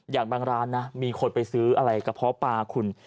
อย่างบางร้านนะมีคนไปซื้ออะไรกระเพาะปลาคุณ